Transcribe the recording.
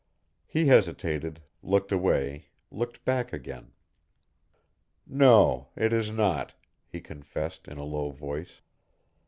He hesitated, looked away, looked back again. "No, it is not," he confessed, in a low voice.